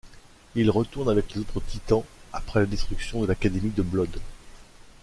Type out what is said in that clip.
Il retourne avec les autres Titans après la destruction de l'Académie de Blood.